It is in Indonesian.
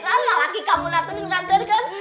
lelaki kamu nantuin nantain kan